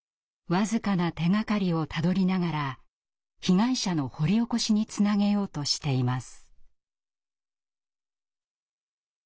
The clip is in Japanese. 僅かな手がかりをたどりながら被害者の掘り起こしにつなげようとしています。